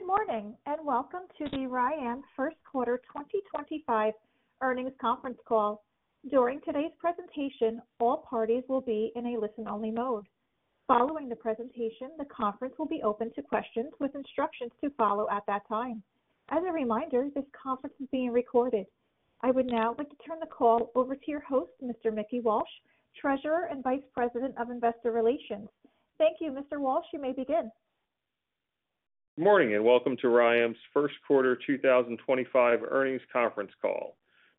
Good morning and welcome to the Rayonier Advanced Materials First Quarter 2025 Earnings Conference Call. During today's presentation, all parties will be in a listen-only mode. Following the presentation, the conference will be open to questions with instructions to follow at that time. As a reminder, this conference is being recorded. I would now like to turn the call over to your host, Mr. Mickey Walsh, Treasurer and Vice President of Investor Relations. Thank you, Mr. Walsh. You may begin. Good morning and welcome to Rayonier Advanced Materials' First Quarter 2025 Earnings Conference Call.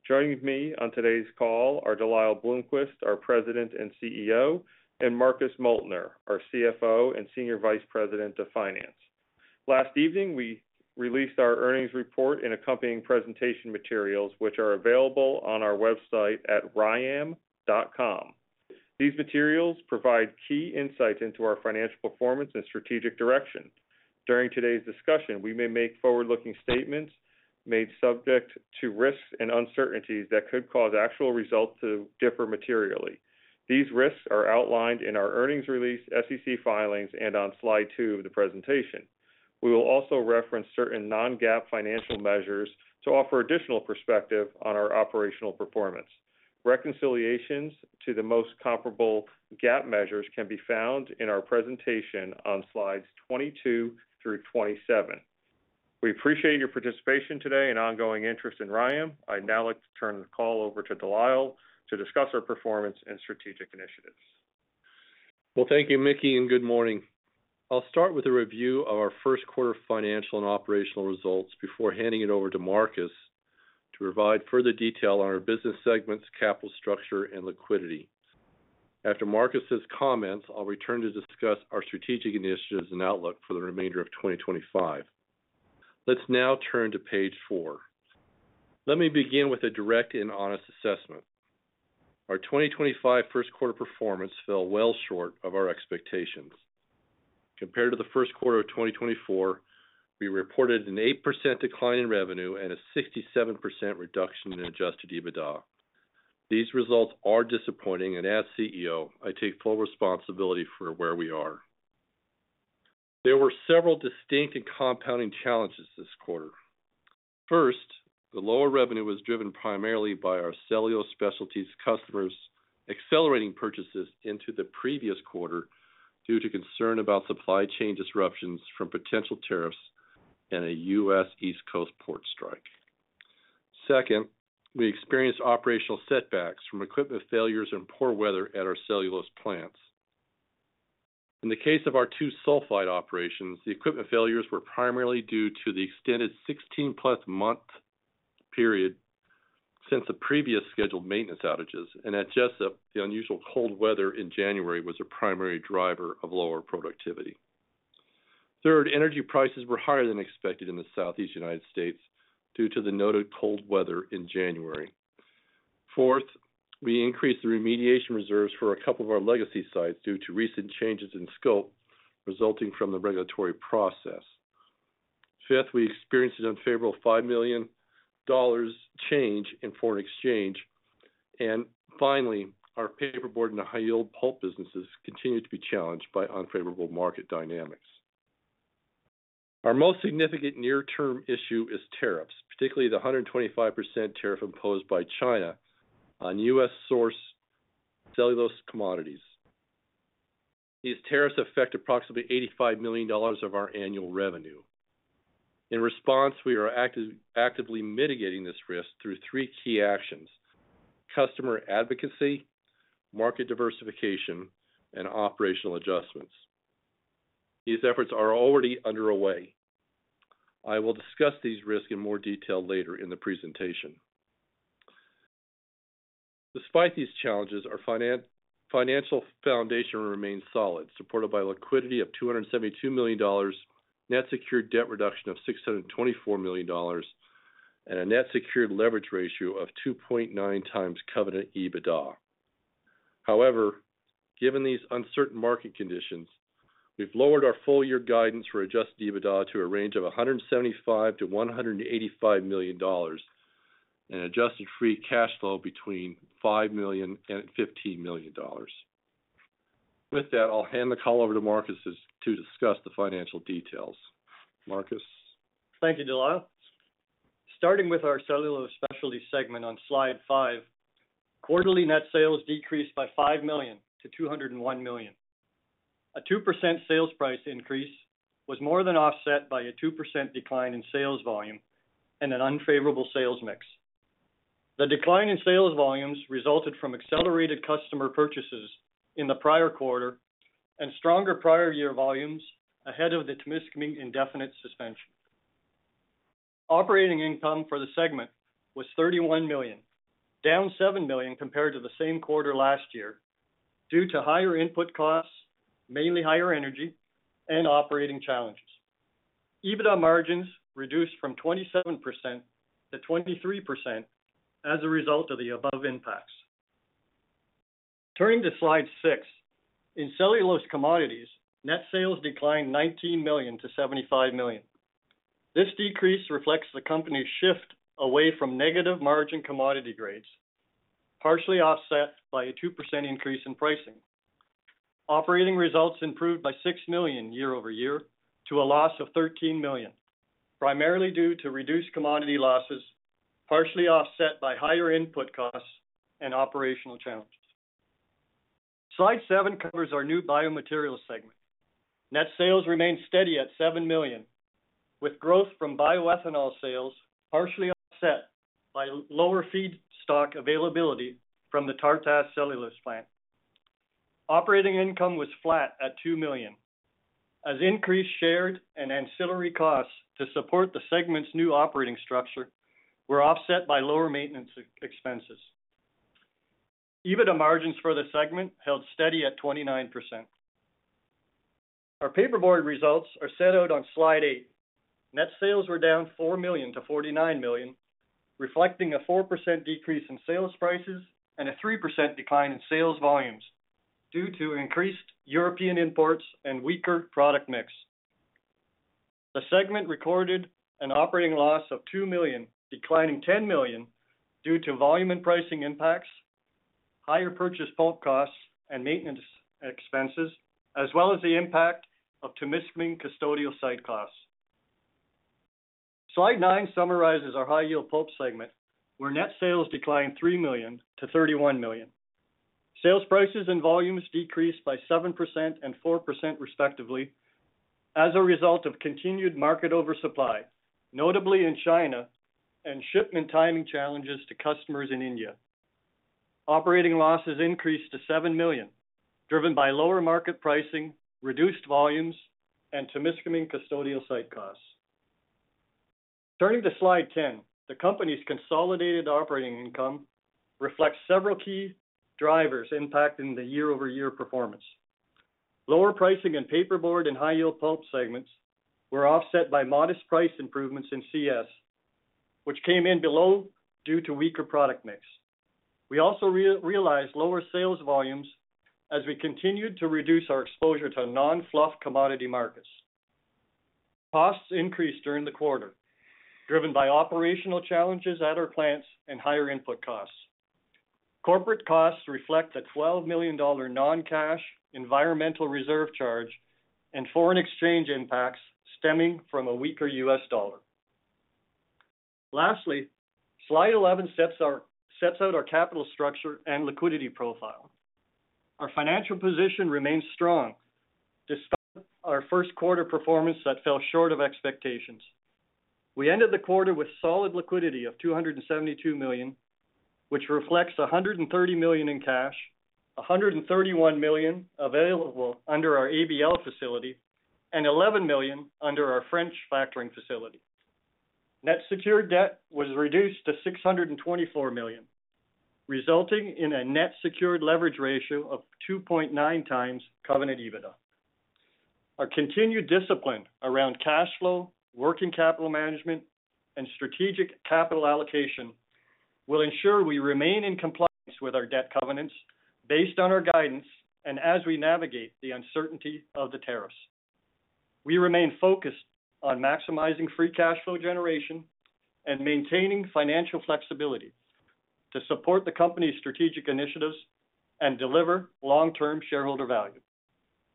Joining me on today's call are De Lyle Bloomquist, our President and CEO, and Marcus Moeltner, our CFO and Senior Vice President of Finance. Last evening, we released our earnings report and accompanying presentation materials, which are available on our website at rayonieram.com. These materials provide key insights into our financial performance and strategic direction. During today's discussion, we may make forward-looking statements made subject to risks and uncertainties that could cause actual results to differ materially. These risks are outlined in our earnings release, SEC filings, and on slide two of the presentation. We will also reference certain non-GAAP financial measures to offer additional perspective on our operational performance. Reconciliations to the most comparable GAAP measures can be found in our presentation on slides 22 through 27. We appreciate your participation today and ongoing interest in Rayonier Advanced Materials. I'd now like to turn the call over to De Lyle to discuss our performance and strategic initiatives. Thank you, Mickey, and good morning. I'll start with a review of our first quarter financial and operational results before handing it over to Marcus to provide further detail on our business segments, capital structure, and liquidity. After Marcus's comments, I'll return to discuss our strategic initiatives and outlook for the remainder of 2025. Let's now turn to page four. Let me begin with a direct and honest assessment. Our 2025 first quarter performance fell well short of our expectations. Compared to the first quarter of 2024, we reported an 8% decline in revenue and a 67% reduction in adjusted EBITDA. These results are disappointing, and as CEO, I take full responsibility for where we are. There were several distinct and compounding challenges this quarter. First, the lower revenue was driven primarily by our cellulose specialties customers accelerating purchases into the previous quarter due to concern about supply chain disruptions from potential tariffs and a U.S. East Coast port strike. Second, we experienced operational setbacks from equipment failures and poor weather at our cellulose plants. In the case of our two sulfide operations, the equipment failures were primarily due to the extended 16-plus month period since the previous scheduled maintenance outages, and at Jesup, the unusual cold weather in January was a primary driver of lower productivity. Third, energy prices were higher than expected in the Southeast United States due to the noted cold weather in January. Fourth, we increased the remediation reserves for a couple of our legacy sites due to recent changes in scope resulting from the regulatory process. Fifth, we experienced an unfavorable $5 million change in foreign exchange. Our paperboard and high-yield pulp businesses continue to be challenged by unfavorable market dynamics. Our most significant near-term issue is tariffs, particularly the 125% tariff imposed by China on U.S. source cellulose commodities. These tariffs affect approximately $85 million of our annual revenue. In response, we are actively mitigating this risk through three key actions: customer advocacy, market diversification, and operational adjustments. These efforts are already underway. I will discuss these risks in more detail later in the presentation. Despite these challenges, our financial foundation remains solid, supported by a liquidity of $272 million, net secured debt reduction of $624 million, and a net secured leverage ratio of 2.9 times covenant EBITDA. However, given these uncertain market conditions, we've lowered our full-year guidance for adjusted EBITDA to a range of $175 million-$185 million and adjusted free cash flow between $5 million and $15 million. With that, I'll hand the call over to Marcus to discuss the financial details. Marcus. Thank you, De Lyle. Starting with our cellulose specialty segment on slide five, quarterly net sales decreased by $5 million to $201 million. A 2% sales price increase was more than offset by a 2% decline in sales volume and an unfavorable sales mix. The decline in sales volumes resulted from accelerated customer purchases in the prior quarter and stronger prior year volumes ahead of the Témiscaming indefinite suspension. Operating income for the segment was $31 million, down $7 million compared to the same quarter last year due to higher input costs, mainly higher energy, and operating challenges. EBITDA margins reduced from 27% to 23% as a result of the above impacts. Turning to slide six, in cellulose commodities, net sales declined $19 million to $75 million. This decrease reflects the company's shift away from negative margin commodity grades, partially offset by a 2% increase in pricing. Operating results improved by $6 million year-over-year to a loss of $13 million, primarily due to reduced commodity losses, partially offset by higher input costs and operational challenges. Slide seven covers our new biomaterials segment. Net sales remained steady at $7 million, with growth from bioethanol sales partially offset by lower feedstock availability from the Tartas cellulose plant. Operating income was flat at $2 million, as increased shared and ancillary costs to support the segment's new operating structure were offset by lower maintenance expenses. EBITDA margins for the segment held steady at 29%. Our paperboard results are set out on slide eight. Net sales were down $4 million to $49 million, reflecting a 4% decrease in sales prices and a 3% decline in sales volumes due to increased European imports and weaker product mix. The segment recorded an operating loss of $2 million, declining $10 million due to volume and pricing impacts, higher purchase pulp costs and maintenance expenses, as well as the impact of Témiscaming custodial site costs. Slide nine summarizes our high-yield pulp segment, where net sales declined $3 million to $31 million. Sales prices and volumes decreased by 7% and 4% respectively as a result of continued market oversupply, notably in China, and shipment timing challenges to customers in India. Operating losses increased to $7 million, driven by lower market pricing, reduced volumes, and Témiscaming custodial site costs. Turning to slide ten, the company's consolidated operating income reflects several key drivers impacting the year-over-year performance. Lower pricing in paperboard and high-yield pulp segments were offset by modest price improvements in CS, which came in below due to weaker product mix. We also realized lower sales volumes as we continued to reduce our exposure to non-fluff commodity markets. Costs increased during the quarter, driven by operational challenges at our plants and higher input costs. Corporate costs reflect a $12 million non-cash environmental reserve charge and foreign exchange impacts stemming from a weaker U.S. dollar. Lastly, slide 11 sets out our capital structure and liquidity profile. Our financial position remains strong, despite our first quarter performance that fell short of expectations. We ended the quarter with solid liquidity of $272 million, which reflects $130 million in cash, $131 million available under our ABL facility, and $11 million under our French factoring facility. Net secured debt was reduced to $624 million, resulting in a net secured leverage ratio of 2.9 times covenant EBITDA. Our continued discipline around cash flow, working capital management, and strategic capital allocation will ensure we remain in compliance with our debt covenants based on our guidance and as we navigate the uncertainty of the tariffs. We remain focused on maximizing free cash flow generation and maintaining financial flexibility to support the company's strategic initiatives and deliver long-term shareholder value.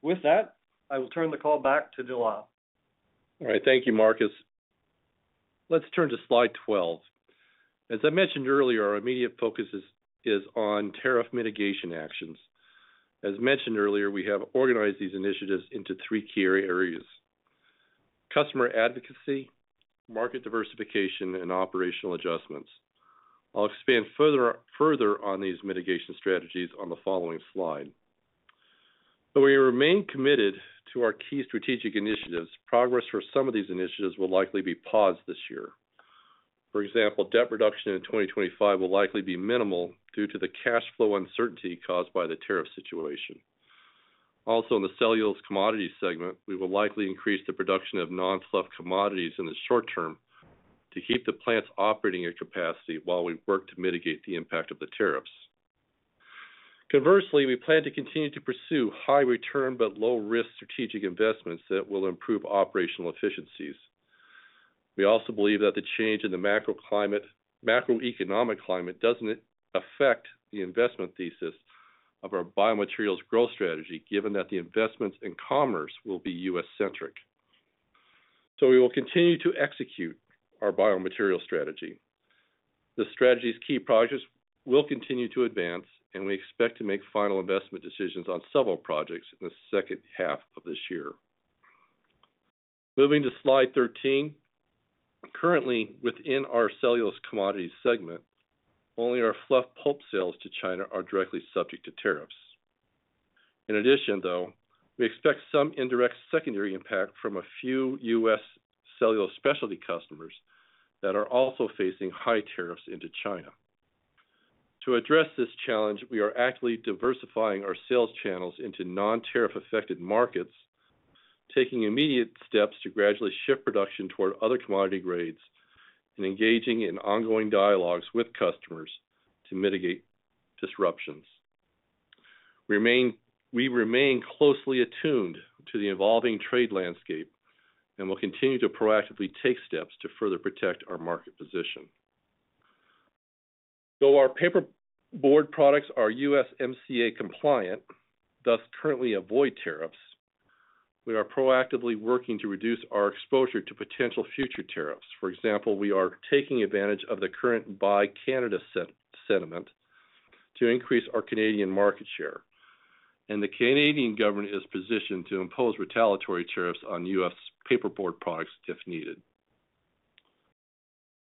With that, I will turn the call back to De Lyle. All right. Thank you, Marcus. Let's turn to slide 12. As I mentioned earlier, our immediate focus is on tariff mitigation actions. As mentioned earlier, we have organized these initiatives into three key areas: customer advocacy, market diversification, and operational adjustments. I'll expand further on these mitigation strategies on the following slide. Though we remain committed to our key strategic initiatives, progress for some of these initiatives will likely be paused this year. For example, debt reduction in 2025 will likely be minimal due to the cash flow uncertainty caused by the tariff situation. Also, in the cellulose commodity segment, we will likely increase the production of non-fluff commodities in the short term to keep the plants operating at capacity while we work to mitigate the impact of the tariffs. Conversely, we plan to continue to pursue high-return but low-risk strategic investments that will improve operational efficiencies. We also believe that the change in the macroeconomic climate does not affect the investment thesis of our biomaterials growth strategy, given that the investments in commerce will be U.S.-centric. We will continue to execute our biomaterials strategy. The strategy's key projects will continue to advance, and we expect to make final investment decisions on several projects in the second half of this year. Moving to slide 13, currently, within our cellulose commodity segment, only our fluff pulp sales to China are directly subject to tariffs. In addition, though, we expect some indirect secondary impact from a few U.S. cellulose specialty customers that are also facing high tariffs into China. To address this challenge, we are actively diversifying our sales channels into non-tariff-affected markets, taking immediate steps to gradually shift production toward other commodity grades, and engaging in ongoing dialogues with customers to mitigate disruptions. We remain closely attuned to the evolving trade landscape and will continue to proactively take steps to further protect our market position. Though our paperboard products are USMCA compliant, thus currently avoid tariffs, we are proactively working to reduce our exposure to potential future tariffs. For example, we are taking advantage of the current Buy Canada sentiment to increase our Canadian market share. The Canadian government is positioned to impose retaliatory tariffs on U.S. paperboard products if needed.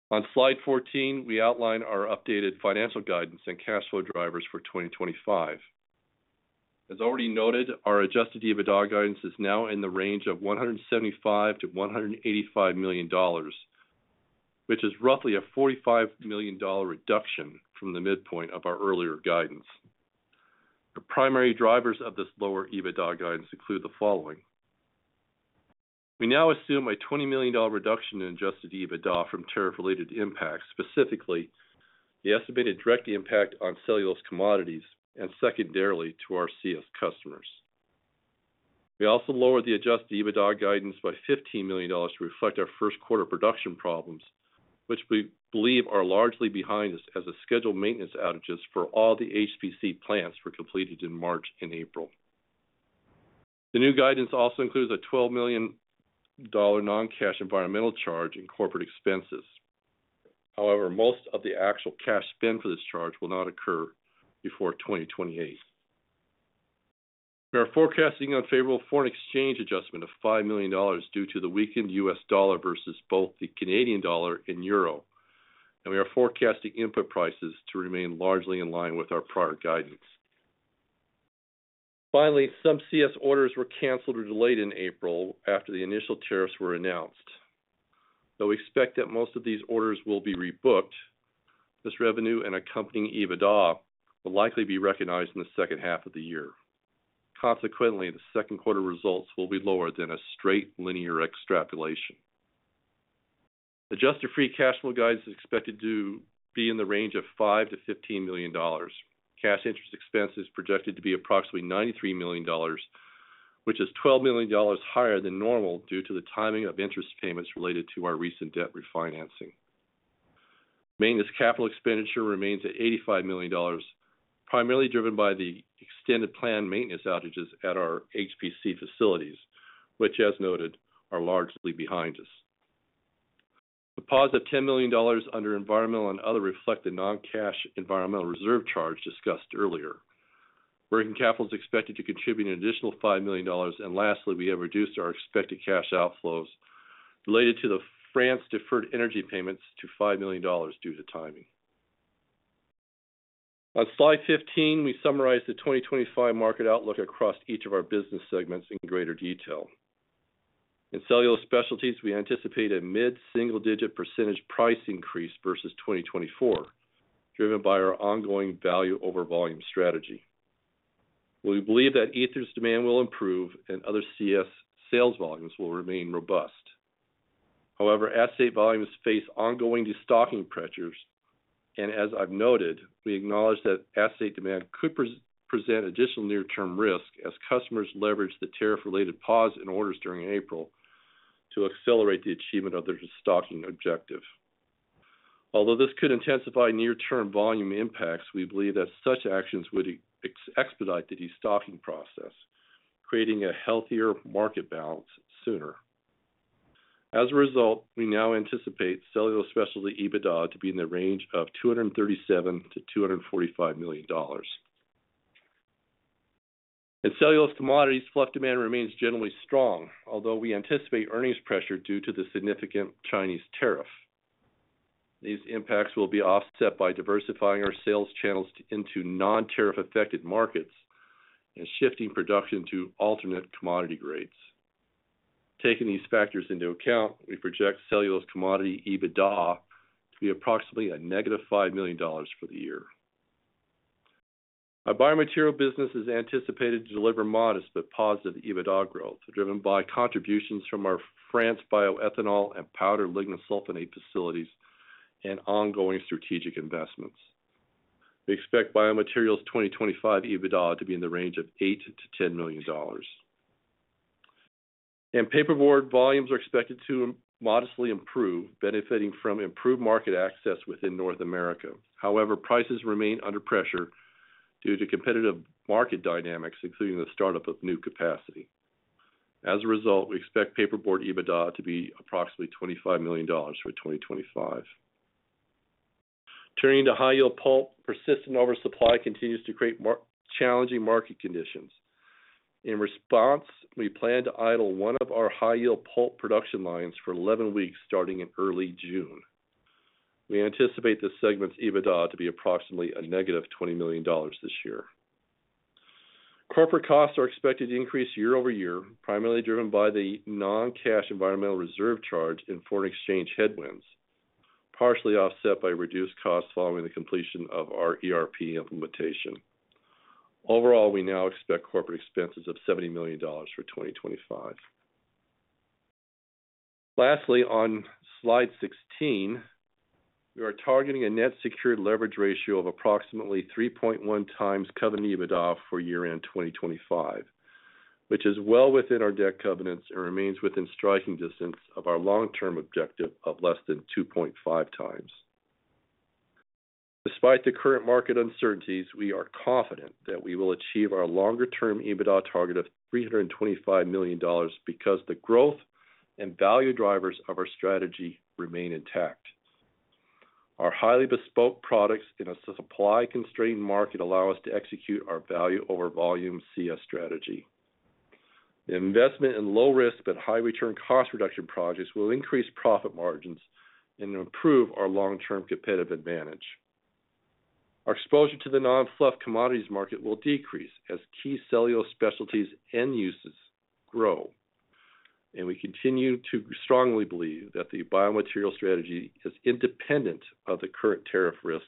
On slide 14, we outline our updated financial guidance and cash flow drivers for 2025. As already noted, our adjusted EBITDA guidance is now in the range of $175 million-$185 million, which is roughly a $45 million reduction from the midpoint of our earlier guidance. The primary drivers of this lower EBITDA guidance include the following. We now assume a $20 million reduction in adjusted EBITDA from tariff-related impacts, specifically the estimated direct impact on cellulose commodities and secondarily to our CS customers. We also lowered the adjusted EBITDA guidance by $15 million to reflect our first quarter production problems, which we believe are largely behind us as the scheduled maintenance outages for all the HPC plants were completed in March and April. The new guidance also includes a $12 million non-cash environmental charge in corporate expenses. However, most of the actual cash spend for this charge will not occur before 2028. We are forecasting an unfavorable foreign exchange adjustment of $5 million due to the weakened U.S. dollar versus both the Canadian dollar and euro. We are forecasting input prices to remain largely in line with our prior guidance. Finally, some CS orders were canceled or delayed in April after the initial tariffs were announced. Though we expect that most of these orders will be rebooked, this revenue and accompanying EBITDA will likely be recognized in the second half of the year. Consequently, the second quarter results will be lower than a straight linear extrapolation. Adjusted free cash flow guidance is expected to be in the range of $5 million-$15 million. Cash interest expense is projected to be approximately $93 million, which is $12 million higher than normal due to the timing of interest payments related to our recent debt refinancing. Maintenance capital expenditure remains at $85 million, primarily driven by the extended planned maintenance outages at our HPC facilities, which, as noted, are largely behind us. The pause of $10 million under environmental and other reflected non-cash environmental reserve charge discussed earlier. Working capital is expected to contribute an additional $5 million. Lastly, we have reduced our expected cash outflows related to the France-deferred energy payments to $5 million due to timing. On slide 15, we summarize the 2025 market outlook across each of our business segments in greater detail. In cellulose specialties, we anticipate a mid-single-digit percentage price increase versus 2024, driven by our ongoing value-over-volume strategy. We believe that ethers demand will improve and other CS sales volumes will remain robust. However, acetate volumes face ongoing destocking pressures. As I've noted, we acknowledge that acetate demand could present additional near-term risk as customers leverage the tariff-related pause in orders during April to accelerate the achievement of their destocking objective. Although this could intensify near-term volume impacts, we believe that such actions would expedite the destocking process, creating a healthier market balance sooner. As a result, we now anticipate cellulose specialty EBITDA to be in the range of $237 million-$245 million. In cellulose commodities, fluff demand remains generally strong, although we anticipate earnings pressure due to the significant Chinese tariff. These impacts will be offset by diversifying our sales channels into non-tariff-affected markets and shifting production to alternate commodity grades. Taking these factors into account, we project cellulose commodity EBITDA to be approximately a negative $5 million for the year. Our biomaterial business is anticipated to deliver modest but positive EBITDA growth, driven by contributions from our France bioethanol and powder lignosulfonate facilities and ongoing strategic investments. We expect biomaterials' 2025 EBITDA to be in the range of $8 million-$10 million. Paperboard volumes are expected to modestly improve, benefiting from improved market access within North America. However, prices remain under pressure due to competitive market dynamics, including the startup of new capacity. As a result, we expect paperboard EBITDA to be approximately $25 million for 2025. Turning to high-yield pulp, persistent oversupply continues to create challenging market conditions. In response, we plan to idle one of our high-yield pulp production lines for 11 weeks starting in early June. We anticipate this segment's EBITDA to be approximately a negative $20 million this year. Corporate costs are expected to increase year over year, primarily driven by the non-cash environmental reserve charge and foreign exchange headwinds, partially offset by reduced costs following the completion of our ERP implementation. Overall, we now expect corporate expenses of $70 million for 2025. Lastly, on slide 16, we are targeting a net secured leverage ratio of approximately 3.1 times covenant EBITDA for year-end 2025, which is well within our debt covenants and remains within striking distance of our long-term objective of less than 2.5 times. Despite the current market uncertainties, we are confident that we will achieve our longer-term EBITDA target of $325 million because the growth and value drivers of our strategy remain intact. Our highly bespoke products in a supply-constrained market allow us to execute our value-over-volume CS strategy. Investment in low-risk but high-return cost reduction projects will increase profit margins and improve our long-term competitive advantage. Our exposure to the non-fluff commodities market will decrease as key cellulose specialties and uses grow. We continue to strongly believe that the biomaterials strategy is independent of the current tariff risk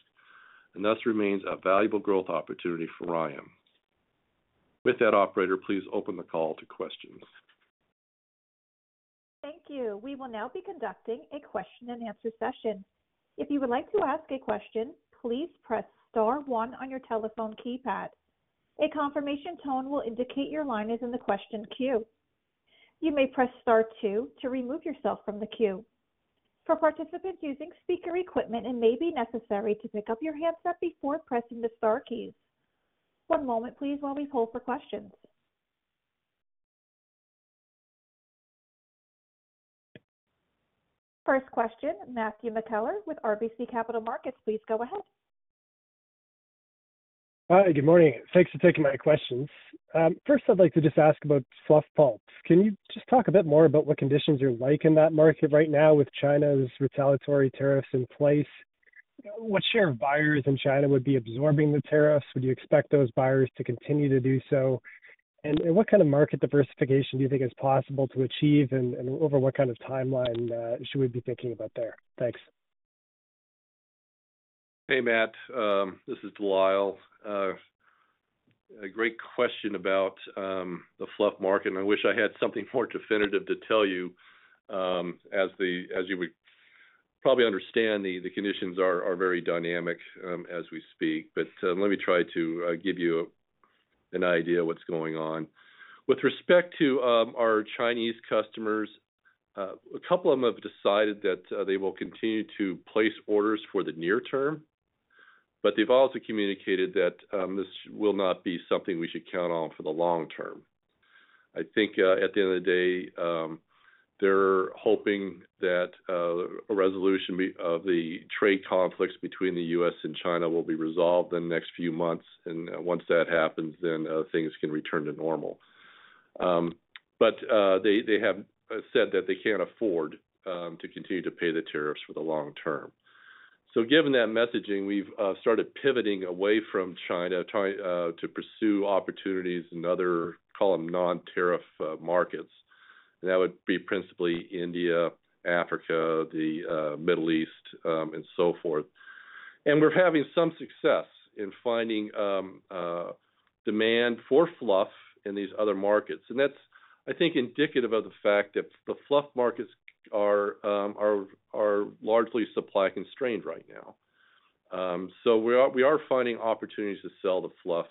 and thus remains a valuable growth opportunity for Rayonier Advanced Materials. With that, Operator, please open the call to questions. Thank you. We will now be conducting a question-and-answer session. If you would like to ask a question, please press Star 1 on your telephone keypad. A confirmation tone will indicate your line is in the question queue. You may press Star 2 to remove yourself from the queue. For participants using speaker equipment, it may be necessary to pick up your handset before pressing the Star keys. One moment, please, while we hold for questions. Our first question, Matthew McKellar with RBC Capital Markets. Please go ahead. Hi, good morning. Thanks for taking my questions. First, I'd like to just ask about fluff pulp. Can you just talk a bit more about what conditions you're like in that market right now with China's retaliatory tariffs in place? What share of buyers in China would be absorbing the tariffs? Would you expect those buyers to continue to do so? What kind of market diversification do you think is possible to achieve? Over what kind of timeline should we be thinking about there? Thanks. Hey, Matt. This is De Lyle. A great question about the fluff market. I wish I had something more definitive to tell you. As you would probably understand, the conditions are very dynamic as we speak. Let me try to give you an idea of what's going on. With respect to our Chinese customers, a couple of them have decided that they will continue to place orders for the near term. They have also communicated that this will not be something we should count on for the long term. I think at the end of the day, they're hoping that a resolution of the trade conflicts between the U.S. and China will be resolved in the next few months. Once that happens, then things can return to normal. They have said that they can't afford to continue to pay the tariffs for the long term. Given that messaging, we've started pivoting away from China to pursue opportunities in other, call them, non-tariff markets. That would be principally India, Africa, the Middle East, and so forth. We're having some success in finding demand for fluff in these other markets. That's, I think, indicative of the fact that the fluff markets are largely supply-constrained right now. We are finding opportunities to sell the fluff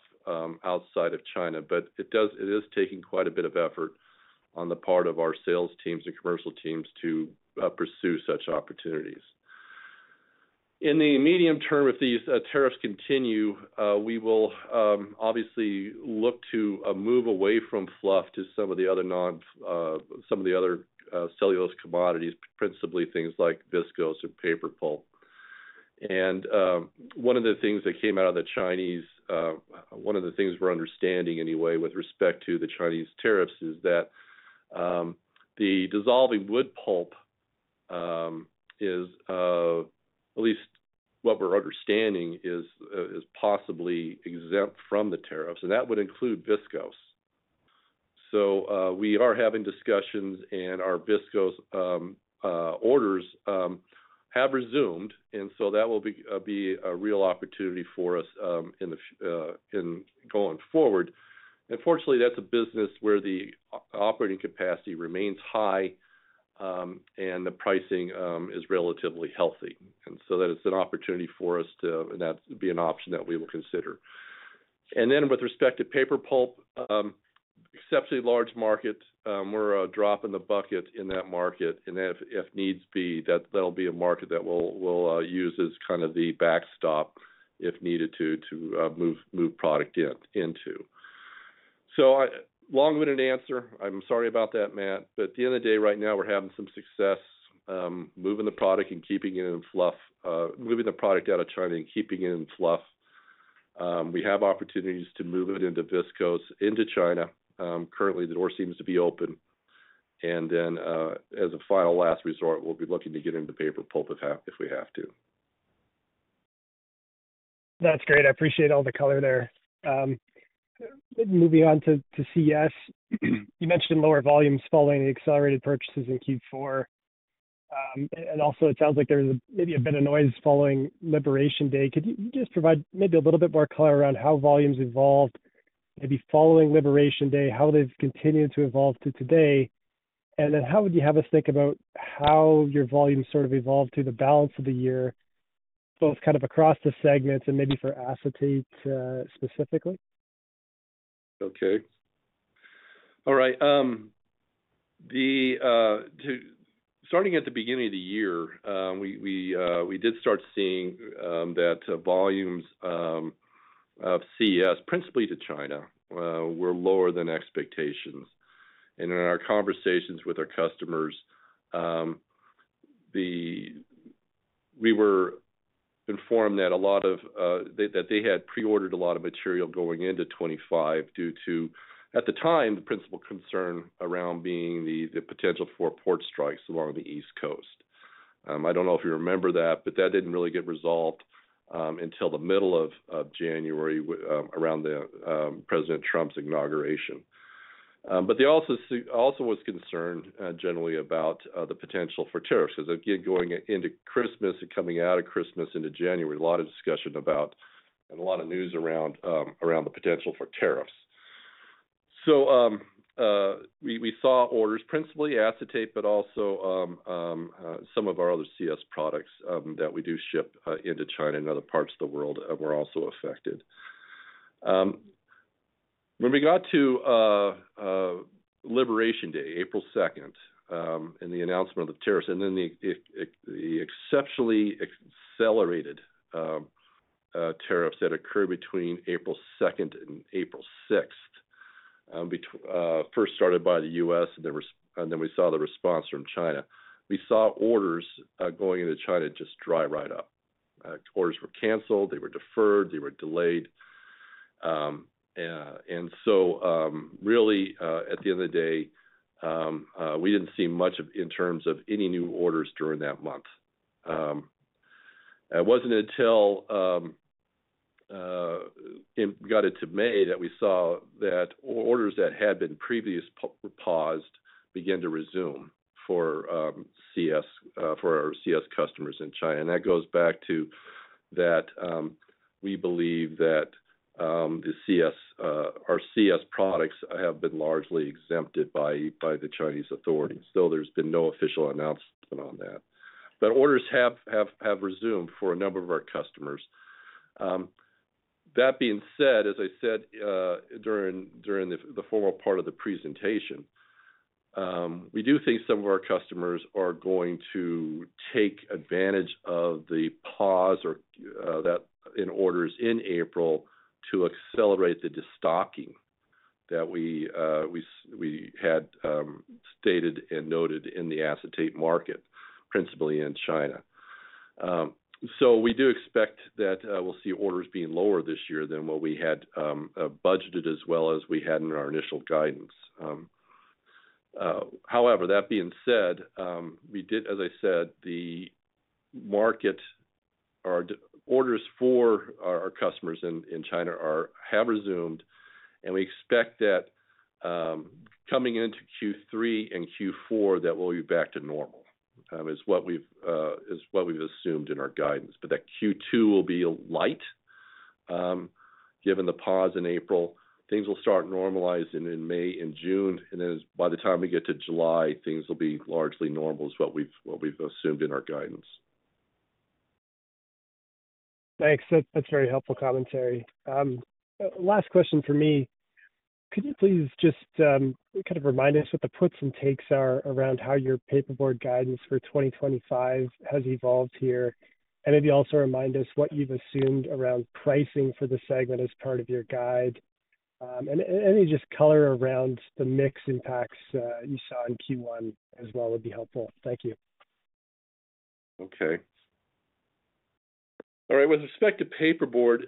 outside of China. It is taking quite a bit of effort on the part of our sales teams and commercial teams to pursue such opportunities. In the medium term, if these tariffs continue, we will obviously look to move away from fluff to some of the other cellulose commodities, principally things like viscose and paper pulp. One of the things that came out of the Chinese, one of the things we're understanding anyway with respect to the Chinese tariffs, is that the dissolving wood pulp is, at least what we're understanding, is possibly exempt from the tariffs. That would include viscose. We are having discussions, and our viscose orders have resumed. That will be a real opportunity for us going forward. Fortunately, that's a business where the operating capacity remains high and the pricing is relatively healthy. That is an opportunity for us to, and that would be an option that we will consider. With respect to paper pulp, exceptionally large market, we're a drop in the bucket in that market. If needs be, that'll be a market that we'll use as kind of the backstop if needed to move product into. Long-winded answer. I'm sorry about that, Matt. At the end of the day, right now, we're having some success moving the product and keeping it in fluff, moving the product out of China and keeping it in fluff. We have opportunities to move it into viscose into China. Currently, the door seems to be open. As a final last resort, we'll be looking to get into paper pulp if we have to. That's great. I appreciate all the color there. Moving on to CS, you mentioned lower volumes following the accelerated purchases in Q4. It sounds like there's maybe a bit of noise following Liberation Day. Could you just provide maybe a little bit more color around how volumes evolved maybe following Liberation Day, how they've continued to evolve to today? How would you have us think about how your volumes sort of evolved through the balance of the year, both kind of across the segments and maybe for acetate specifically? Okay. All right. Starting at the beginning of the year, we did start seeing that volumes of CS, principally to China, were lower than expectations. In our conversations with our customers, we were informed that a lot of that they had preordered a lot of material going into 2025 due to, at the time, the principal concern around being the potential for port strikes along the U.S. East Coast. I do not know if you remember that, but that did not really get resolved until the middle of January around President Trump's inauguration. There also was concern generally about the potential for tariffs because, again, going into Christmas and coming out of Christmas into January, a lot of discussion about and a lot of news around the potential for tariffs. We saw orders, principally acetate, but also some of our other CS products that we do ship into China and other parts of the world were also affected. When we got to Liberation Day, April 2, and the announcement of the tariffs, and then the exceptionally accelerated tariffs that occurred between April 2 and April 6, first started by the U.S. Then we saw the response from China. We saw orders going into China just dry right up. Orders were canceled. They were deferred. They were delayed. At the end of the day, we did not see much in terms of any new orders during that month. It was not until we got into May that we saw that orders that had been previously paused began to resume for our CS customers in China. That goes back to that we believe that our CS products have been largely exempted by the Chinese authorities. Though there has been no official announcement on that. Orders have resumed for a number of our customers. That being said, as I said during the formal part of the presentation, we do think some of our customers are going to take advantage of the pause in orders in April to accelerate the destocking that we had stated and noted in the acetate market, principally in China. We do expect that we will see orders being lower this year than what we had budgeted as well as we had in our initial guidance. However, that being said, we did, as I said, the market orders for our customers in China have resumed. We expect that coming into Q3 and Q4, that we'll be back to normal is what we've assumed in our guidance. That Q2 will be light given the pause in April. Things will start normalizing in May and June. By the time we get to July, things will be largely normal is what we've assumed in our guidance. Thanks. That's very helpful commentary. Last question for me. Could you please just kind of remind us what the puts and takes are around how your paperboard guidance for 2025 has evolved here? Could you also remind us what you've assumed around pricing for the segment as part of your guide? Any just color around the mixed impacts you saw in Q1 as well would be helpful. Thank you. Okay. All right. With respect to paperboard, at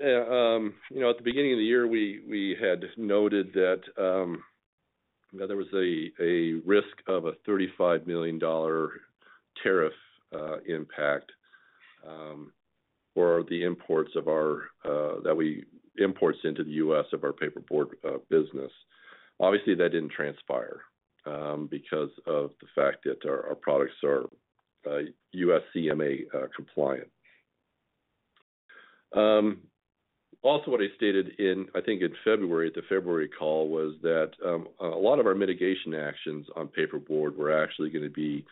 the beginning of the year, we had noted that there was a risk of a $35 million tariff impact for the imports that we import into the U.S. of our paperboard business. Obviously, that did not transpire because of the fact that our products are US CMA compliant. Also, what I stated in, I think, in February, at the February call, was that a lot of our mitigation actions on paperboard were actually going to be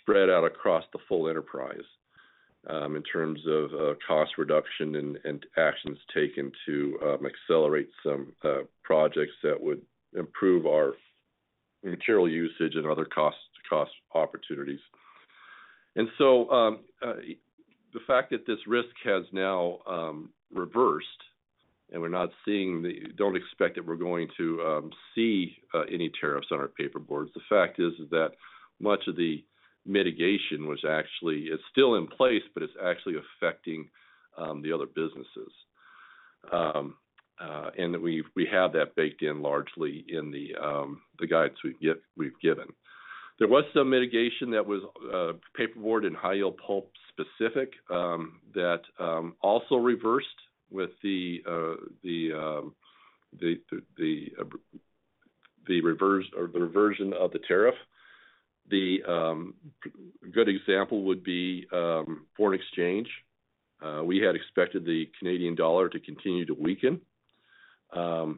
spread out across the full enterprise in terms of cost reduction and actions taken to accelerate some projects that would improve our material usage and other cost opportunities. The fact that this risk has now reversed and we do not expect that we are going to see any tariffs on our paperboard. The fact is that much of the mitigation was actually, it's still in place, but it's actually affecting the other businesses. We have that baked in largely in the guidance we've given. There was some mitigation that was paperboard and high-yield pulp specific that also reversed with the reversion of the tariff. A good example would be foreign exchange. We had expected the Canadian dollar to continue to weaken. There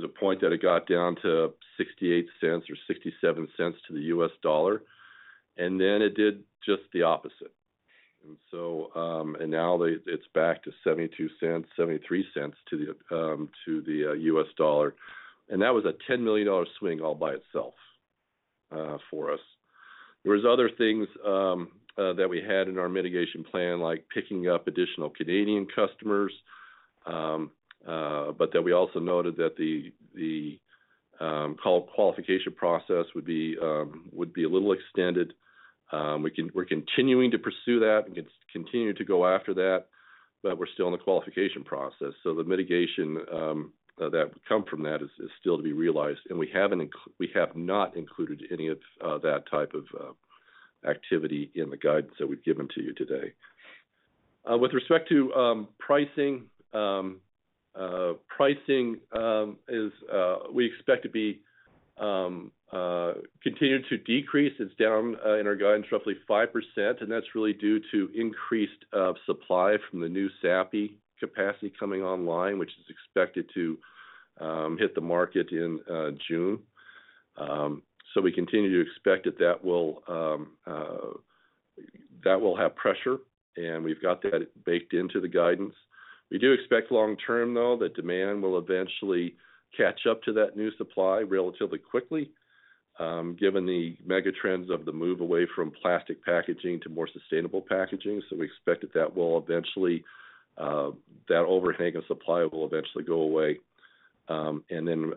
was a point that it got down to $0.68 or $0.67 to the U.S. dollar. It did just the opposite, and now it's back to $0.72, $0.73 to the U.S. dollar. That was a $10 million swing all by itself for us. There were other things that we had in our mitigation plan, like picking up additional Canadian customers. We also noted that the qualification process would be a little extended. We're continuing to pursue that. We can continue to go after that. We're still in the qualification process. The mitigation that would come from that is still to be realized. We have not included any of that type of activity in the guidance that we've given to you today. With respect to pricing, pricing is, we expect, to continue to decrease. It's down in our guidance roughly 5%. That's really due to increased supply from the new Sappi capacity coming online, which is expected to hit the market in June. We continue to expect that will have pressure. We've got that baked into the guidance. We do expect long term, though, that demand will eventually catch up to that new supply relatively quickly, given the megatrends of the move away from plastic packaging to more sustainable packaging. We expect that that overhang of supply will eventually go away and then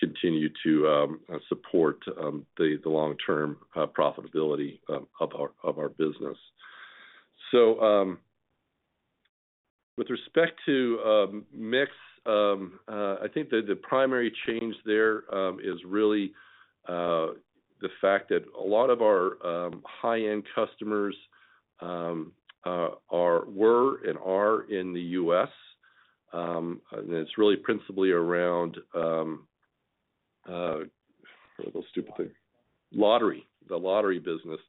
continue to support the long-term profitability of our business. With respect to mix, I think the primary change there is really the fact that a lot of our high-end customers were and are in the U.S. It is really principally around a little stupid thing, lottery, the lottery business.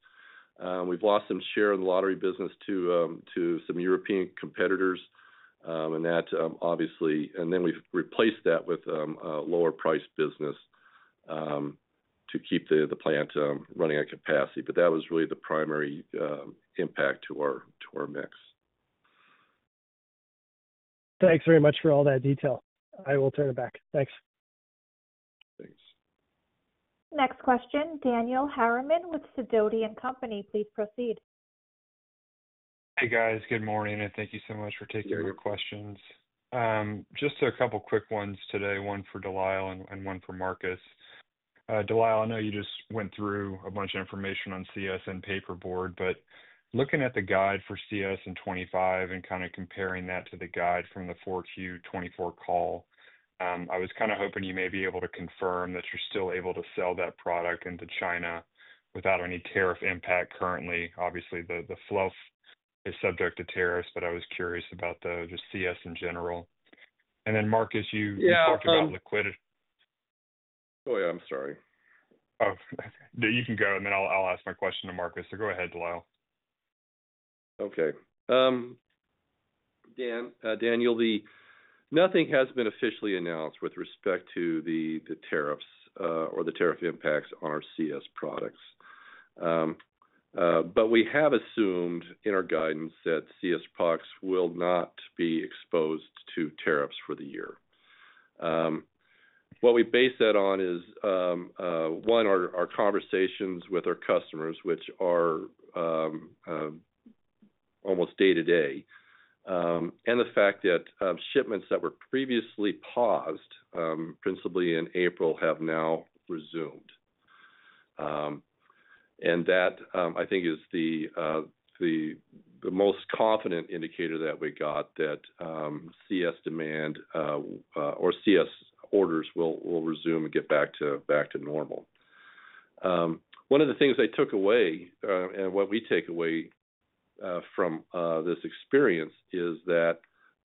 We have lost some share in the lottery business to some European competitors. That obviously, and then we have replaced that with a lower-priced business to keep the plant running at capacity. That was really the primary impact to our mix. Thanks very much for all that detail. I will turn it back. Thanks. Thanks. Next question, Daniel Harriman with Sidoti & Company. Please proceed. Hey, guys. Good morning. Thank you so much for taking your questions. Just a couple of quick ones today, one for De Lyle and one for Marcus. De Lyle, I know you just went through a bunch of information on CS and paperboard, but looking at the guide for CS in 2025 and kind of comparing that to the guide from the Q4 2024 call, I was kind of hoping you may be able to confirm that you're still able to sell that product into China without any tariff impact currently. Obviously, the fluff is subject to tariffs, but I was curious about just CS in general. Marcus, you talked about liquidity. Oh, yeah. I'm sorry. Oh, you can go. And then I'll ask my question to Marcus. Go ahead, De Lyle. Okay. Daniel, nothing has been officially announced with respect to the tariffs or the tariff impacts on our CS products. We have assumed in our guidance that CS products will not be exposed to tariffs for the year. What we base that on is, one, our conversations with our customers, which are almost day-to-day, and the fact that shipments that were previously paused, principally in April, have now resumed. I think that is the most confident indicator that we got that CS demand or CS orders will resume and get back to normal. One of the things I took away and what we take away from this experience is that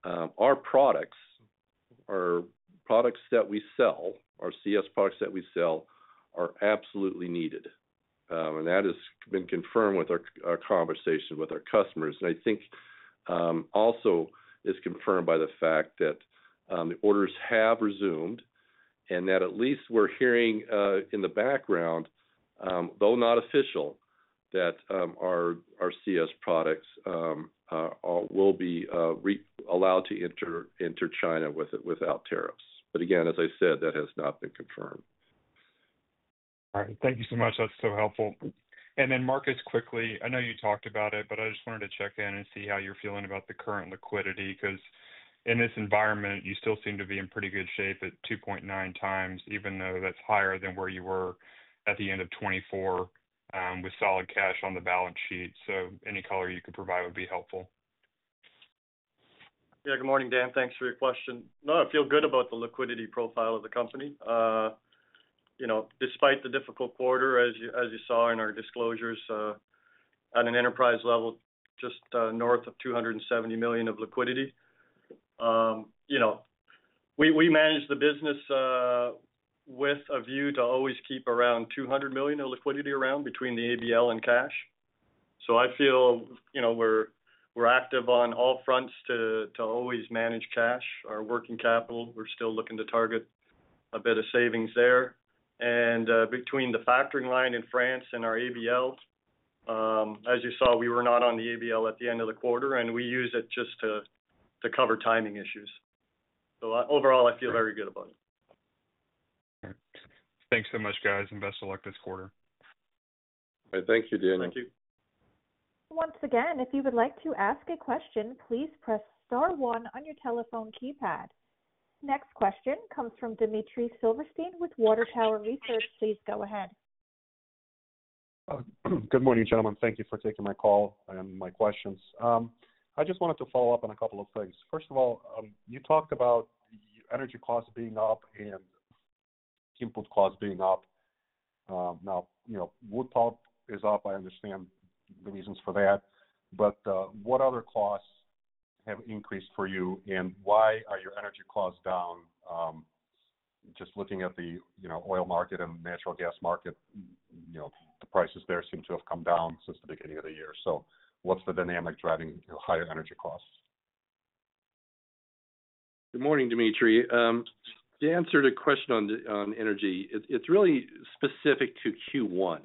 our products are products that we sell, our CS products that we sell, are absolutely needed. That has been confirmed with our conversation with our customers. I think also is confirmed by the fact that the orders have resumed and that at least we're hearing in the background, though not official, that our CS products will be allowed to enter China without tariffs. Again, as I said, that has not been confirmed. All right. Thank you so much. That's so helpful. Marcus, quickly, I know you talked about it, but I just wanted to check in and see how you're feeling about the current liquidity because in this environment, you still seem to be in pretty good shape at 2.9 times, even though that's higher than where you were at the end of 2024 with solid cash on the balance sheet. Any color you could provide would be helpful. Yeah. Good morning, Dan. Thanks for your question. No, I feel good about the liquidity profile of the company. Despite the difficult quarter, as you saw in our disclosures at an enterprise level, just north of $270 million of liquidity. We manage the business with a view to always keep around $200 million of liquidity around between the ABL and cash. I feel we're active on all fronts to always manage cash, our working capital. We're still looking to target a bit of savings there. Between the factoring line in France and our ABL, as you saw, we were not on the ABL at the end of the quarter. We use it just to cover timing issues. Overall, I feel very good about it. Thanks so much, guys. Best of luck this quarter. All right. Thank you, Daniel. Thank you. Once again, if you would like to ask a question, please press star one on your telephone keypad. Next question comes from Dmitry Silversteyn with Water Tower Research. Please go ahead. Good morning, gentlemen. Thank you for taking my call and my questions. I just wanted to follow up on a couple of things. First of all, you talked about energy costs being up and input costs being up. Now, wood pulp is up. I understand the reasons for that. What other costs have increased for you? Why are your energy costs down? Just looking at the oil market and natural gas market, the prices there seem to have come down since the beginning of the year. What is the dynamic driving higher energy costs? Good morning, Dmitry. To answer the question on energy, it's really specific to Q1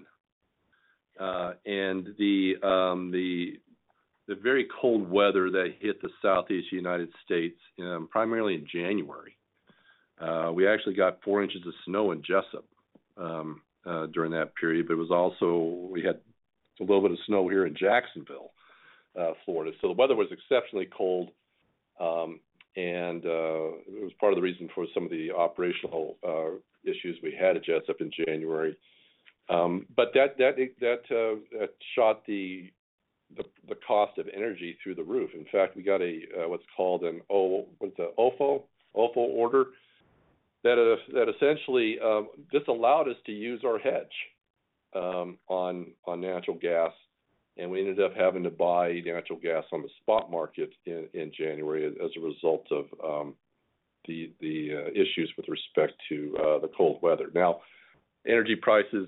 and the very cold weather that hit the Southeast United States primarily in January. We actually got 4 inches of snow in Jesup during that period. It was also we had a little bit of snow here in Jacksonville, Florida. The weather was exceptionally cold. It was part of the reason for some of the operational issues we had at Jesup in January. That shot the cost of energy through the roof. In fact, we got what's called an OFO order that essentially just allowed us to use our hedge on natural gas. We ended up having to buy natural gas on the spot market in January as a result of the issues with respect to the cold weather. Now, energy prices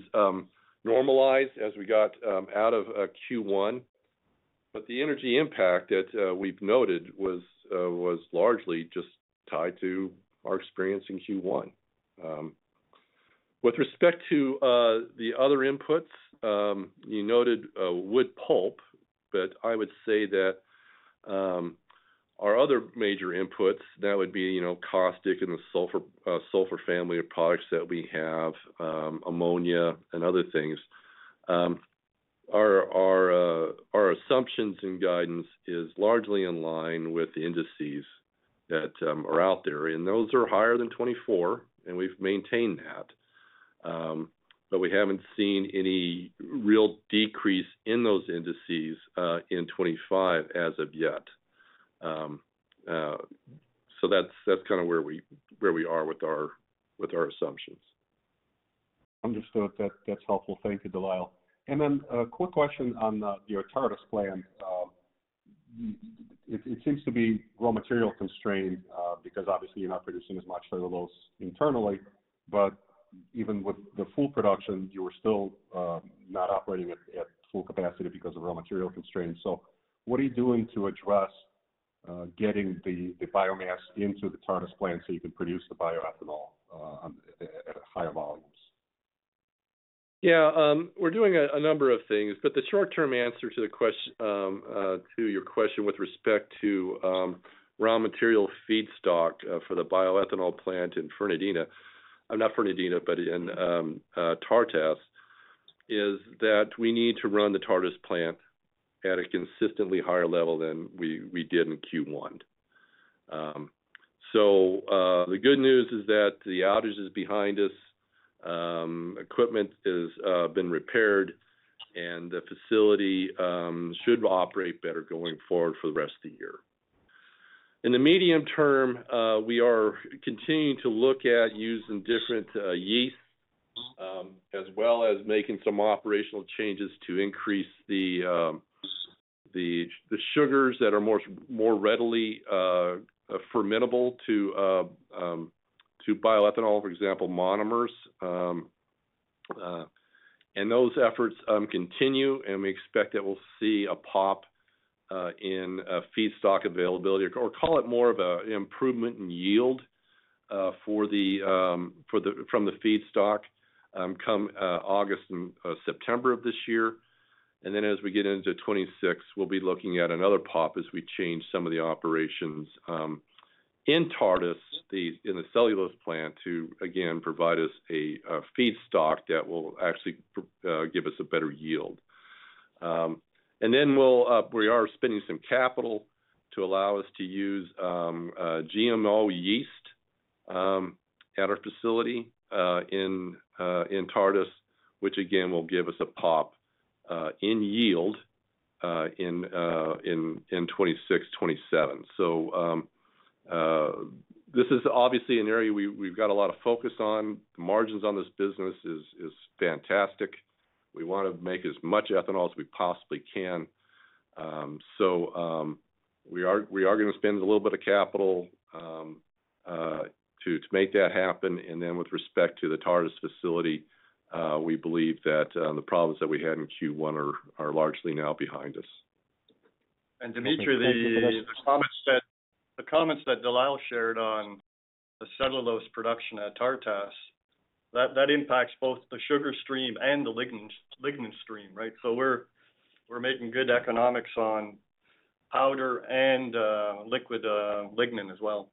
normalized as we got out of Q1. The energy impact that we've noted was largely just tied to our experience in Q1. With respect to the other inputs, you noted wood pulp. I would say that our other major inputs, that would be caustic and the sulfur family of products that we have, ammonia, and other things, our assumptions and guidance is largely in line with the indices that are out there. Those are higher than 2024. We've maintained that. We haven't seen any real decrease in those indices in 2025 as of yet. That's kind of where we are with our assumptions. Understood. That's helpful. Thank you, De Lyle. A quick question on your Tartas plan. It seems to be raw material constrained because obviously you're not producing as much of those internally. Even with the full production, you were still not operating at full capacity because of raw material constraints. What are you doing to address getting the biomass into the Tartas plan so you can produce the bioethanol at higher volumes? Yeah. We're doing a number of things. The short-term answer to your question with respect to raw material feedstock for the bioethanol plant in Fernandina—I'm not Fernandina, but in Tartas—is that we need to run the Tartas plant at a consistently higher level than we did in Q1. The good news is that the outage is behind us, equipment has been repaired, and the facility should operate better going forward for the rest of the year. In the medium term, we are continuing to look at using different yeasts as well as making some operational changes to increase the sugars that are more readily fermentable to bioethanol, for example, monomers. Those efforts continue. We expect that we'll see a pop in feedstock availability or call it more of an improvement in yield from the feedstock come August and September of this year. As we get into 2026, we'll be looking at another pop as we change some of the operations in Tartas in the cellulose plant to, again, provide us a feedstock that will actually give us a better yield. We are spending some capital to allow us to use GMO yeast at our facility in Tartas, which, again, will give us a pop in yield in 2026, 2027. This is obviously an area we've got a lot of focus on. The margins on this business are fantastic. We want to make as much ethanol as we possibly can. We are going to spend a little bit of capital to make that happen. With respect to the Tartas facility, we believe that the problems that we had in Q1 are largely now behind us. Dmitry, there are comments that De Lyle shared on the cellulose production at Tartas. That impacts both the sugar stream and the lignin stream, right? We are making good economics on powder and liquid lignin as well.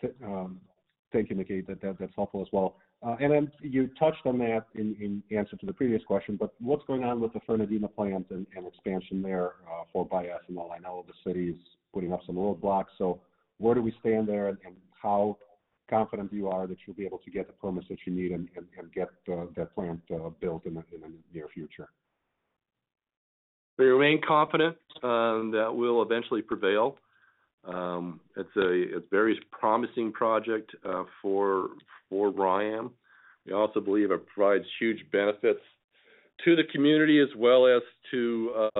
Thank you, Mickey. That's helpful as well. You touched on that in answer to the previous question. What's going on with the Fernandina plant and expansion there for bioethanol? I know the city is putting up some roadblocks. Where do we stand there and how confident you are that you'll be able to get the permits that you need and get that plant built in the near future? We remain confident that we'll eventually prevail. It's a very promising project for Rayonier Advanced Materials. We also believe it provides huge benefits to the community as well as to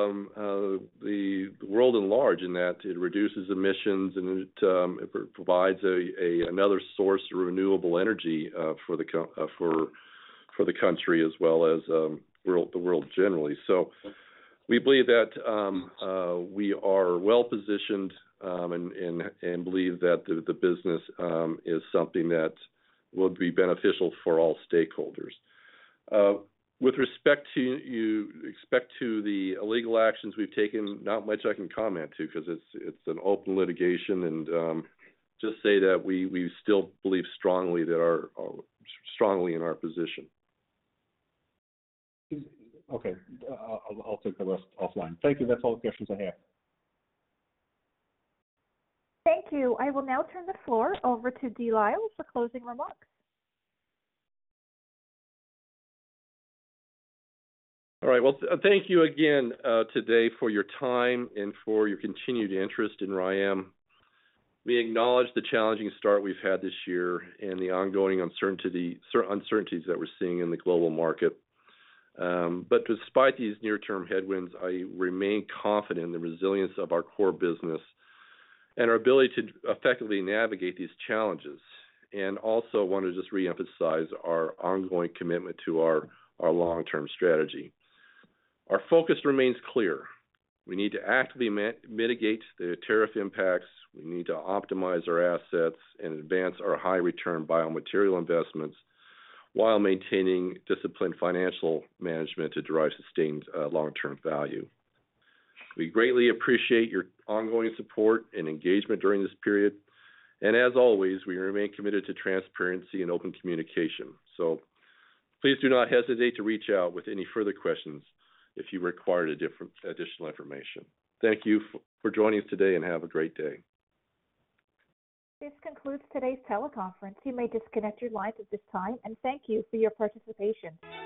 the world at large in that it reduces emissions and it provides another source of renewable energy for the country as well as the world generally. We believe that we are well-positioned and believe that the business is something that will be beneficial for all stakeholders. With respect to the legal actions we've taken, not much I can comment to because it's an open litigation. I can just say that we still believe strongly in our position. Okay. I'll take the rest offline. Thank you. That's all the questions I have. Thank you. I will now turn the floor over to De Lyle for closing remarks. Thank you again today for your time and for your continued interest in Rayonier Advanced Materials. We acknowledge the challenging start we've had this year and the ongoing uncertainties that we're seeing in the global market. Despite these near-term headwinds, I remain confident in the resilience of our core business and our ability to effectively navigate these challenges. I also want to just reemphasize our ongoing commitment to our long-term strategy. Our focus remains clear. We need to actively mitigate the tariff impacts. We need to optimize our assets and advance our high-return biomaterial investments while maintaining disciplined financial management to drive sustained long-term value. We greatly appreciate your ongoing support and engagement during this period. As always, we remain committed to transparency and open communication. Please do not hesitate to reach out with any further questions if you require additional information. Thank you for joining us today and have a great day. This concludes today's teleconference. You may disconnect your lines at this time. Thank you for your participation.